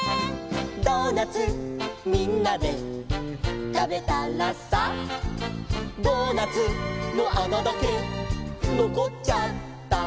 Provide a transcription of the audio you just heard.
「ドーナツみんなで食べたらさ」「ドーナツの穴だけ残っちゃった」